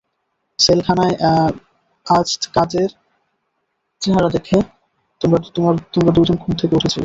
সেলখানায় আজ কাদের চেহারা দেখে তোমরা দুইজন ঘুম থেকে উঠেছিলে?